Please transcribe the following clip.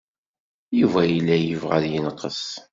Yuba yella yebɣa ad yenqes.